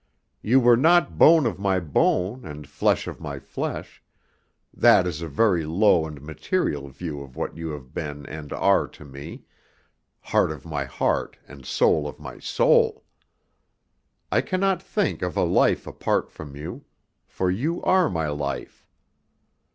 You were not bone of my bone and flesh of my flesh; that is a very low and material view of what you have been and are to me, heart of my heart and soul of my soul. I cannot think of a life apart from you, for you are my life.